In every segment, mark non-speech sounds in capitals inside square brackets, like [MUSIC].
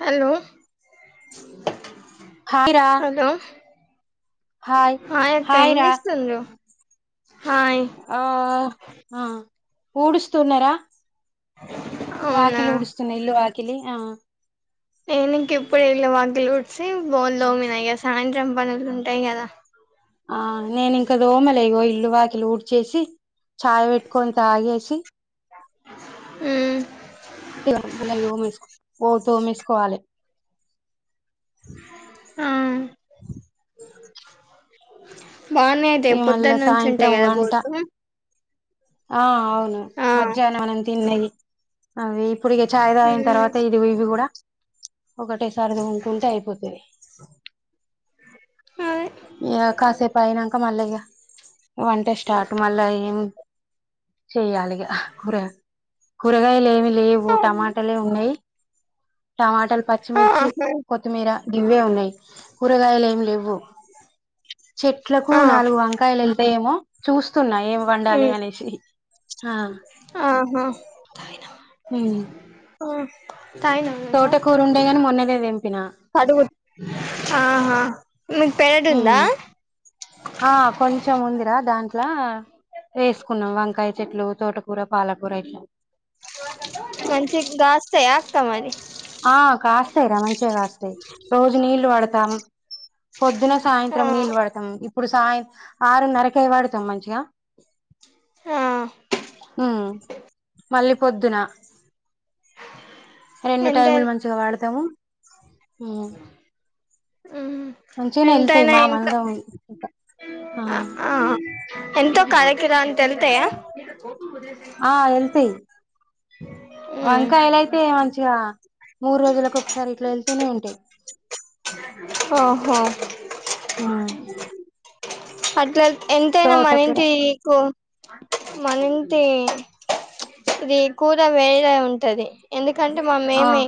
Hollow hi రా hello hi అక్క hi ఏం రా చేస్తుండ్రు హాయ్ ఆ ఆ ఊడుస్తున్నారా అవునా వాకిలి ఊడుస్తున్న ఇల్లు వా కిలి ఆ నేను ఇంకిప్పుడే ఇల్లు వాకిలి ఊడ్చి బోలుదొమిన, ఇగ సాయంత్రం బనులు ఉంటయ్. గదా ఆ నేను ఇంక తోమ లేదు. ఇల్లు వాకిలు ఊడ్చేసి చాయ్ పెట్టుకొని తాగేసి హ్మ్ ఇలాం గిన్నెలు తోమేస్క్, ఓ తోమేస్కోవాలే హుమ్ బాన్నే అయితే ఈ మళ్ళా పొద్దన్నుంచి ఉంటయ్ సాయంత్రం గదా వంట బోల్ల్ మ్మ్ ఆ అవును మజ్యాహ్నం మనం తిన్నేయిది. అవి ఇప్పుడిగే చాయ్ తాగిన తర్వాత, ఇదిగో ఇవి కూడా ఒకటే సారిగా తోముకుంటే అయిపోద్దిదే ఇగా కాసేపు అయినంక మళ్ళేగ వంట స్టార్ట్ మళ్ళా ఏం చెయ్యాలిగా హ్ బురగా కూరగాయలు ఏమి లేవు, ఉమ్, టమాటాలే ఉన్నయ్ టమాటాల్ పచ్చిమిర్చి అదే కొత్తిమీర గివ్వే ఉన్నయ్ కూరగాయలేమి లేవ్వు చెట్లకు ఆహా ఆ నాలుగు వంకాయలు లేళ్ళుతాయేమో చూస్ సున్నాయ్ ఏం వండాలి అనేస్ ఆహ్మా హ్మ్ వో తాగినవ చా గాని మొన్ననే తెంపిన ఆ ఆ హ హ్మ్ ఆ కొంచం ఉందిరా దాన్ ట్లా వేసుకున్నాం. వంకాయ చెట్లు తోటకూర, పాలకూర ఇట్లా మంచింకి గాస్తాయాక్క మరి ఆ కాస్తాయ్ రా మంచిగా కాస్తాయ్ రోజు నీళ్ళలు పడత్ [UNINTELLIGIBLE] పొద్దున ఆ సాయంత్రం నీళ్ళు వడతం, ఇప్పుడు సాయం అరున్నారం కి పడుతాం మంచిగా ఆ హ్మ్ మళ్ళీ పొద్దున రెండు ఎంత టైమ్లు మంచిగా వాడతము [UNINTELLIGIBLE] హ్మ్ ఉమ్ మంచిగనే ఎళ్తయి. ఎంతైనా మా ఎంత మందం ఇంకా ఆ ఎంతో ఒక అరకిల అం ంతఎలుతయా వంకాయలైతే మంచిగ చిగా మూడు రోజులకు ఒకసారి ఇట్ల వెళ్తూనే ఉంటయి. ఓహో అట్లఎల్ ఎంతయినా మన తోటకూర ఇంటి కో మన ఇంటీ ఇది కూర వేరే ఉంటది ఎందుక్ కంటే ఆ మామేమి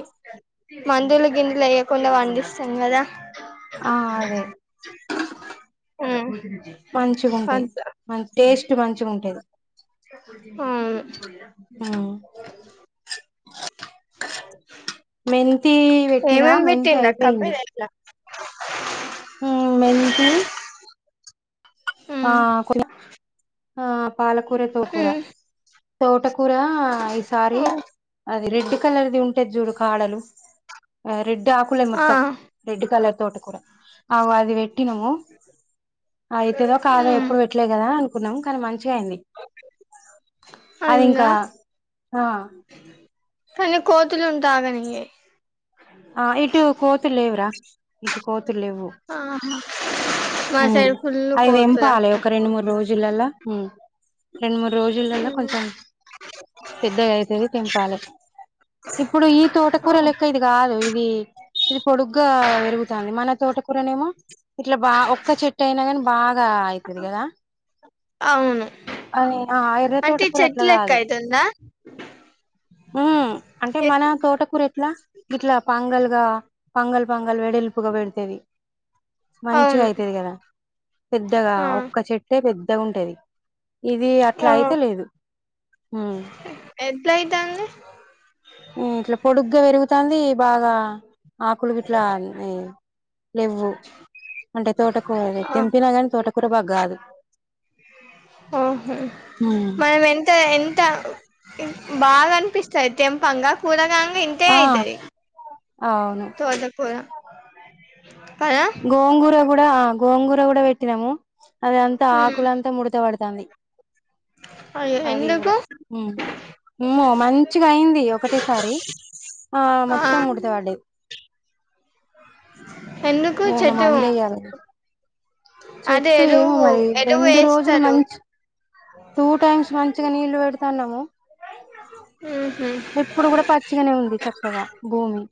మందుల గిందులు వెయ్యకుండా పండిస్తాం కదా ఆ అదే హ్మ్ మంచిగా ఉంటాయి అంతా మంచి టేస్ట్ మంచిగా ఉంటది అవును మెన్ ఏమేమ్ పెట్టిమ్రక్క పేరట్ల మెంతి ఆ ఉమ్ కొత్తిమీర ఆ పాలకూర, తోటకూర ఉమ్ తోటకు కూర ఈ సారి ఉమ్ అది రెడ్ కలర్ది ఉంటది చూడు కాడలు రెడ్ ఆకులే ఆ మొత్తం రెడ్ కలర్ తోటకూర అగో అది వెట్ పెట్టినము అయితదో కాదో ఉమ్ ఎప్పుడు పెట్లే కదా కున్నాం కానీ మంచి చిగా అయింది. అది ఇంకా అయిందా ఆ కానీ కోత్ ఉంటె అగనియ్యయి ఆ ఇటు కోతులు లేవు రా ఇటు కో తులు లెవ్వు ఆ మా సైడ్ ఫుల్ అవి కోతులు తెంపాలే అక్క ఒక రెండు మూడు రోజులలా రెండు మూడు రోజులలా కొంచెం పెద్దగా అయితది తెంపాలే ఇప్పుడు ఈ తోటకూర లెక్క ఇది అదు ఇది ఇది పొడుగ్గా పెరుగుతుంది మన తోటకూరనేమో ఇట్లా బా ఒక్క చెట్టు అయినా కాని బాగా అయితది కదా అవును అని ఆ ఎర్ర అంటే తోటకూర చెట్టు అట్లా లెక్క కాదు అయితుందా ఊ అంటే మన తోటకూర ఎట్లా ఇలా పాంగల్గా పంగల్ పంగల్ వెడల్పుగా పెడితేది మంచిగా అవును అయితది కదా పెద్దగా ఆ ఒక్క చెట్టే ద్దగ ఉంటది ఇది ఆ అట్లా అయిత లేదు ఉ ఎట్లయితాంది ఇట్లా పొడుగ్గా పెరుగుతంది బాగా ఆకులు విట్లా అన్ని లేవ్వు అంటే తోటకుర తెంపిన కానీ తోట కుర బాగా కాదు ఓహు ఉమ్ మనం ఎంత ఎంత బాగా అనిపిస్తాయి తెంపంగా కూరగాం ఇంతే ఆ అయితది అవును తోటకూర అ [UNINTELLIGIBLE] [INAUDIBLE] గోంగూర కూడా గోంగూర కూడా వేట్టినాము అది అంత ఉమ్ ఆకులు అంతా ముడత వడ్ తంది అయ్యో అది ఎందుకు కూడా హుమ్ ఉమో మంచిగా అయింది ఒకటేసారి ఆ మొత్తంముడుత పడింది ఎందుకు చెట్టు మందు ఎయాలే అదే చెట్టు ఏమో ఎరువు మరి ఎరువు రెండు రోజులు వేస్తారు మంచి టూ టైమ్స్ మంచిగా నీళ్లు పెట్ తాన్నాము ఉహు ఇప్పుడు కూడా పచ్చిగానే ఉంది చక్కగా భూమి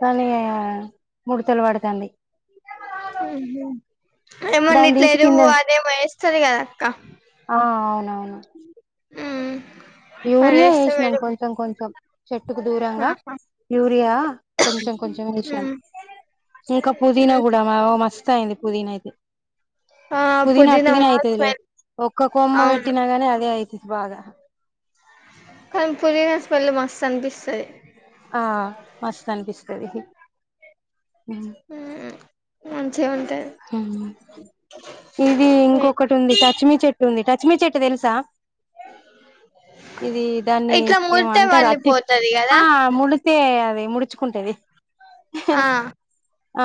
కని అయ ముడుతలు వాడుతంది ఏమన్న దాన్ని ఇట్ల తీసి కింద ఎరువు అదేమో ఎస్తారు కదా అక్క ఆ అవునవును హ్మ్ యూరియా అదేస్తే ఎసినాం మేడం కొంచెం కొంచెం చెట్టుకు దూరంగా ఆహా యూరియా కొంచెం కొంచెం ఎసినాం. హ్మ్ ఇంకా పుదీనా హ్మ్ కూడా మా ఓ మస్ తయింది పుదినా అయితే ఆ పుదినా పుదీనా అట్టిగానే అయితదిలే స్మెల్ ఒక్క కొమ్మ అవును పెట్టినగానే అదే అయితది బాగా కానీ పుదినా స్మెల్ మస్త్ అనిపిస్తది. ఆ మస్త అనిపిస్తది హ ఇది ఏ, ఇంకొకటి ఉంది టచ్మీ చెట్టు ఉంది టచ్ మి చెట్టు తెలుసా. ఇది దాన్ని ఇట్లా ఏమో ముడితే అంటారు అతి వళ్ళిపోతది కదా ఆ ములు అతే అది ముడుచుకుంటది. ఆ....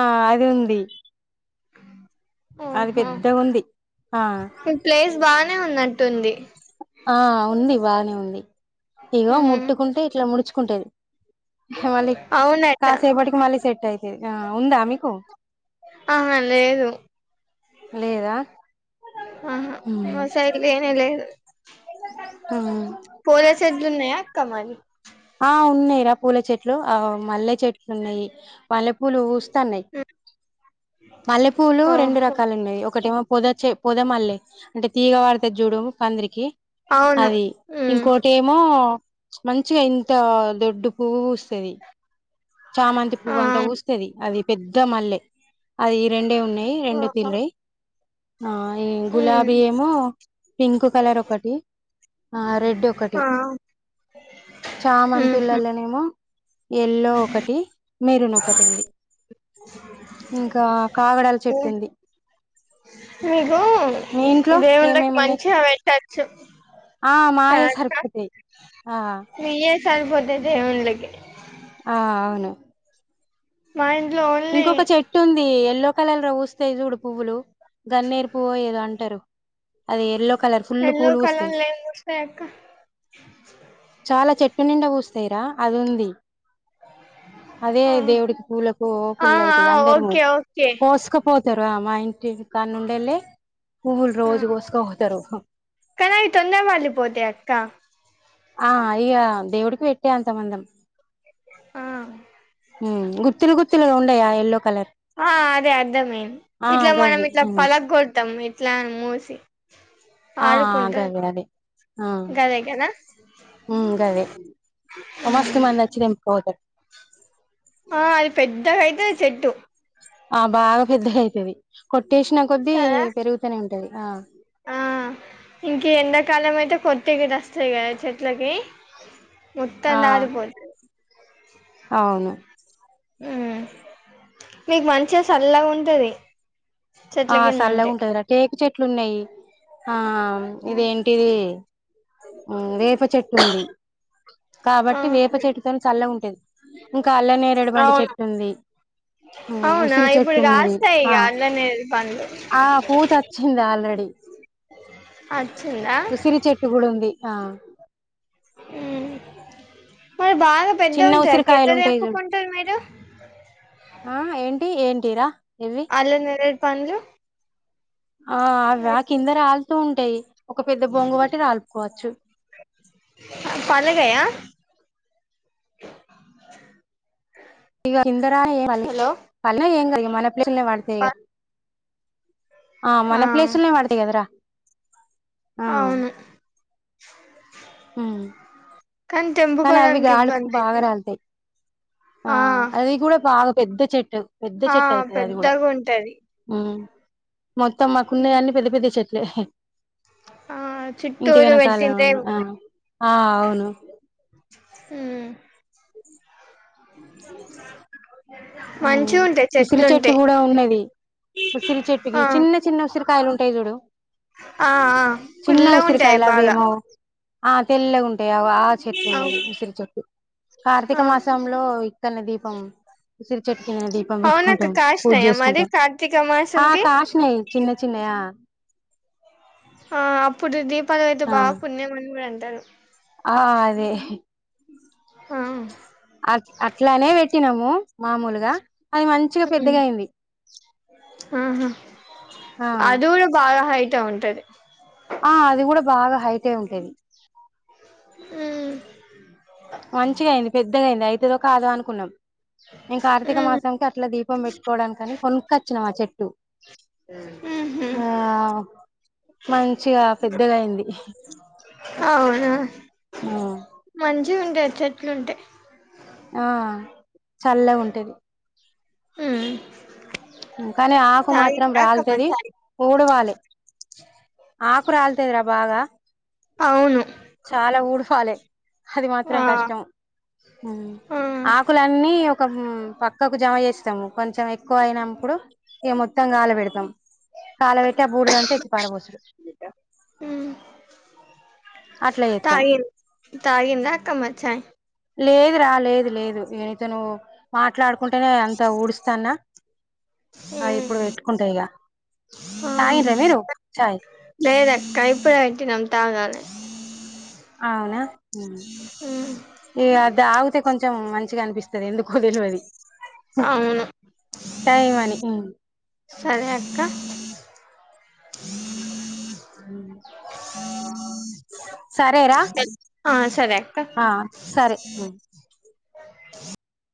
ఆ అది ఉంది. అది ఓహో పెద్ధగుంది. ఆ నే ఉందట ఆ ఉంది బాగానే ఉం ది ఇగో హ్మ్ ముట్టుకుంటే ఇట్లా ముడుచుకుంటది మళ్ళీ అవునట కాసేపటికి మళ్ళీ సెట్ అయితే ఉందా మీకు ఆహా లేదు లేదా ఆహా మా సైడ్ లేనే లేదు పూల చెట్లు ఉన్నాయా అక్క మరి ఆ ఉన్నాయి రా పూల చెట్లు ఆ మల్లె చెట్లు ఉన్నాయి మల్లె పూ పూలు వూస్తన్నాయి మల్లె పూలు రెండు ఓహో రకాలు ఉన్నాయి ఒకటేమో పొద చె పొద మల్లె అంటే తీగ పరుతది చూడు పందిరికి అవును అది హ్మ్ ఇంకోటెమో మంచిగా ఇంత్ త దొడ్డు పువ్వు పూస్తుది. చామంతి ఆ పువ్వు అంతా పూస్తది అది పెద్ద మల్లె అది రెండే ఉన్నాయి రెండు ఓహో తీర్లే ఆ హ్మ్ గులాబీ ఏమో పింక్ కలర్ ఒకటి ఆ రెడ్ ఒక ఆ ఒకటి చాలా మంది ఉహు పిల్లలేనేమో ఎల్లో ఒకటి మెరున్ ఒకటి ఉంది ఇంకా కాగడల చెట్టు ఉంది మీకు మీ ఇంట్లో దేవుళ్ళకి ఏమేమి ఉన్నాయి మంచిగా పెట్టచ్చు ఆ మాయే తకా సరిపోతాయి ఆ మీ సార్పోద మనలగే ఆ అవును మా ఇంట్లో ఓన్లీ ఇంకొక చెట్టు ఉంది ఎల్లో పక్కలలు వూస్తేయి చూడు పువ్వులు గన్నేరు పువ్వు ఏదో అంటారు అది ఎల్లో కలర్ ఫుల్ ఎల్లో పూలు పూస్తాయి కలర్ లేం వస్తాయి అక్క చాలా చెట్టు నిండా పూస్తా సేరా అది ఉంది అదే ఆ దేవుడికి పూలే ఆ పుల్ అయితా అందరుము ఓకే ఓకే కోసుకపోతారు అమ్ మా ఇ జీవికనుండలే ఫూల్ రోజ గోస్గా తరుహ కనీవి తొందర వాళ్ళి పోతే అక్క ఆ ఇక దేవుడికి పెట్టే అంతమందం ఆ ఉండయా ఎల్లో కలర్ ఆ అదే అర్ధమే ఆ ఇట్లా మనం గవ్వి ఇట్లా ఉమ్ పలగ కొడతాం ఇలాను మోసి ఆ గవ అదే ఆ గదే కదా గవే మస్తు మంది వచ్చి తెంపుపోతారు ఆ ఆ అది పెద్దగా అయితే చెట్టు ఆ బాగా పెద్దగా అయితేది కొ స్టేషన్ కొద్దీ కదా పెరుగుతూనే ఉంటాంది ఉంట ఆ ఆ ఇంక ఎండాకాలం అయితే కొత్తకిటి వస్తాయి కదా చెట్లకి ఆ ముత్తాంత ఆదిపో అవును. మీకు మంచి సల్లాగా ఉంటది చెట్ల ఆ కింద సల్లగా ఉంటే ఉంటుది టేక చెట్ అట్లున్నాయి ఆ ఇదేంటిది ఉందిర్ కాబట్టి వేపచెట్టుతోని సల్లగున్ ద్ ఉ కల్లనేరడు పండు అవును చెట్టు ఉంది. ఉ అవునా ఉసిరి చెట్టు ఇప్పుడు ఉన్నది కాస్తాయి ఆ. ఇక అల్లనే పండ్లు ఆ పూత వచ్చింది ఆల్రెడీ. వచ్చిందా ఉసిరి చెట్టు గుడ ఉంది. ఆ. ఉహు. మరి బాగా పెద్దగ చిన్న ఉంటది క్క ఉసిరికాయలు ఎట్లా ఉంటాయి చూడు తెంపుకుంటారు మీరు. కేరా. ఏవి అల్ల నేరేడు పండ్లు ఆ అవ్వ కిందా రాలుతూ ఉంటయి. టై. ఒక పెద్ద బొంగు బట్టి రాల్పుకోవచ్చు. పలగయ్య. ఇగ ఇందరా ఏ పళ్ ఏం క. ప్లేసులనే పడతాయిగా. ఆ మన ప్లేసులోనే పడుతాయి కదరా. ఆ అవును. ఉమ్. కానీ అవి తెంపుకోవడానికి గాడుపుకు ఇబ్బంది బాగా అయితది రాలుతాయి. ఆ అవి కూడా బాగా పెద్ద చెట్టు. పెద్ద ఆ చెట్టు అయితది అది కూడా పెద్దగుంటది ‌. ఉమ్ మొత్తం మాకు ఉన్నాయని పెద్ద పెద్ద చెట్ దేహి ఆ చుట్టూరా పెట్టి ఉంటే ఉన్న. ఆ ఆ అవును. హు మంచి ఉంటాయి ఉసిరి చెట్టు చెట్లుంటాయి కూడా ఉన్నది. ఉసిరి చెట్టుకి ఆ చిన్న చిన్న ఉసిరికాయలు ఉంటాయి చూడు ఆ ఆ చిన్న పుల్లగా ఉంటాయి ఉసిరికాయలు బాగా అవేమో ఆ తెల్ల గా ఉంటాయి అగొ ఆ చెట్టు అవ్, ఉన్నది ఉసిరి చెట్టు. కార్తీక ఆ మాసంలో. క్కన దీపం ఉసిరి చెట్టు కిందనే దీపం అవునక్క పెట్టుకుంటాం. పూజ కాసినాయా మరి చేసుకుంటాం. కార్తీక ఆ మాసంకి ఆ అప్పుడు దీప్ దీపాలు పెడితే ఆ బాగా పుణ్యం కూడా అండి తారు ఆ అదే ఆ అ అట్లానే పెట్టినాము మామూలుగా అది మంచిగా పెద్దగా అయింది ఆ ఆహా ఆ ఆది కూడా బాగా హైట్ ఉంటది అట్టే ఉంటది ఉమ్, మంచిగా అయింది పెద్దగా అయింది అయితే తేల్వాక అదే అనుకున్నాం. ఇంకా కార్తీక ఉమ్, మాసం కి అట్లా దీప ధీపం పెట్టుకోవడానికి కానీ కొనుక్కొచ్చినమ్ ఆ చెట్టు ఉహు ఆ మంచిగా పెద్దగా అయింది ఆ అవునా మంచిగా ఉంటది చెట్లుంటాయి ఆ చల్లా గా ఉంటది ఊ కానీ ఆకు మాత్రం రాలతుది చాయ్ ఊడవాలి ఆకు రాలతుదిరా బాగా అవును చాలా ఊడవాలి అది మాత్రం ఆ కష్టం హు ఆ ఆకులన్నీ హుమ్ పక్కకు జమ చేస్తాము కొంచెం ఎక్కువ అయినాం ఇప్పుడు ఈ మొత్తంగా కళా పెడతాం కాల పెట్టి ఆ బూడిద అంతా ఎత్తి పారపోసుడు ఉమ్ అట్లా చే. తాగింది తాగిందా అక్కమ్మ చాయ్ లేదు రా లేదు లేదు ఇగ ఇతను మాట్లాడుకు కుంటేనే అంత ఊడుస్తాన్నా ఇప్పుడు పెట్టుకుంటే ఇక ఆ తాయిండ్ర మీరు చాయ్ లేదక్క ఇప్పుడే పెట్టినాం తాగాలి అవునా హు ఏ అది తాగితే కొంత కొంచెం మంచిగా అనిపిస్తుది ఎందుకో తెల్వది అవును టైం అని సరే అక్క సరేరా అ ఆ సరే అక్క ఆ సరే ఉమ్